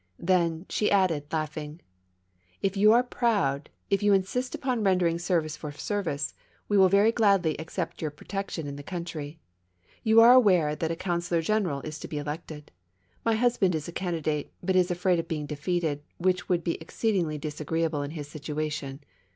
Then, she added, laughing : "If you are proud, if you insist upon rendering service for service, we will very gladly accept your protection in the country. You are aware that a Coun sellor General is to be elected. My husband is a candi date, but is afraid of being defeated, which would be exceedingly disagreeable in his situation.